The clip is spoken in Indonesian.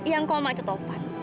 yang koma itu taufan